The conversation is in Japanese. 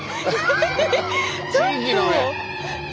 「地域の目」。